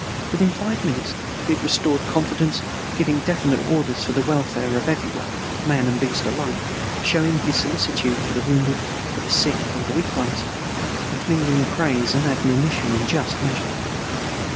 Within five minutes he had restored confidence, giving definite orders for the welfare of every one, man and beast alike, showing his solicitude for the wounded, for the sick and weak ones, and mingling praise and admonition in just measure.